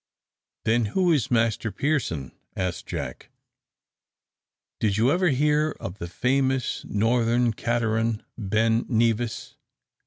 "Then who is Master Pearson?" asked Jack. "Did you ever hear of the famous northern cateran, Ben Nevis?"